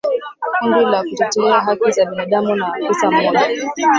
Kundi la kutetea haki za binadamu na afisa mmoja